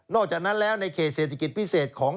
อกจากนั้นแล้วในเขตเศรษฐกิจพิเศษของ